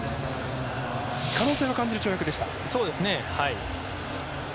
可能性は感じる跳躍でした。